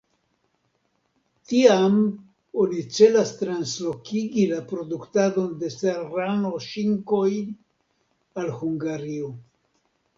Tiam oni celas translokigi la produktadon de serrano-ŝinkoj al Hungario.